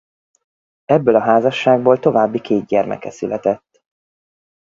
Ebből a házasságból további két gyermeke született.